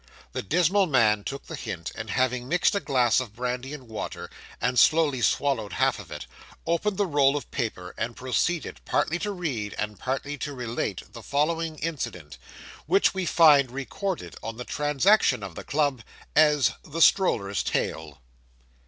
The dismal man took the hint, and having mixed a glass of brandy and water, and slowly swallowed half of it, opened the roll of paper and proceeded, partly to read, and partly to relate, the following incident, which we find recorded on the Transactions of the Club as 'The Stroller's Tale.